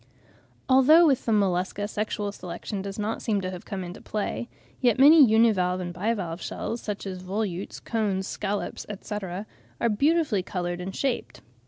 Although with the Mollusca sexual selection does not seem to have come into play; yet many univalve and bivalve shells, such as volutes, cones, scallops, etc., are beautifully coloured and shaped.